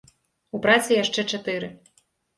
У працы яшчэ чатыры.